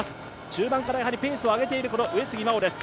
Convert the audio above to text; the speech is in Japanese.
中盤からペースを上げている上杉真穂です。